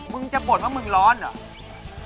มึงจะบ่นว่ามึงร้อนเหรอ